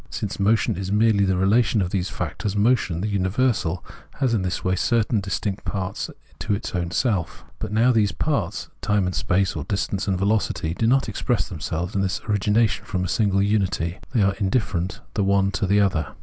Since motion is merely the relation of these factors, motion, the universal, has in this way certainly distinct parts in its own self. But now these parts, time and space, or distance and velocity, do not express in themselves this origination from a single unity. They are indifferent the one to the other.